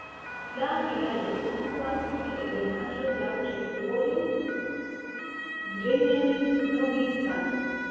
La vilaĝo situas sur ebenaĵo, laŭ ĉefvojo Zrenjanin-Novi Sad.